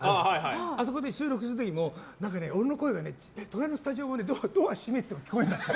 あそこで収録してる時俺の声が隣のスタジオにドア閉めてても聞こえるんだって。